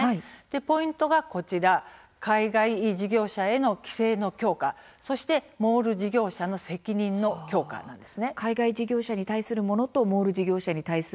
ポイントはこちら海外事業者への規制の強化そしてモール事業者の責任の強化なんです。